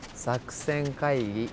作戦会議。